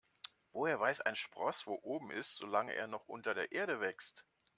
Woher weiß ein Spross, wo oben ist, solange er noch unter der Erde wächst?